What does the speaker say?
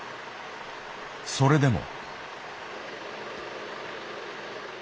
それでも。